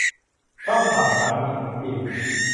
ช่องข่าวภาษาอังกฤษของจีน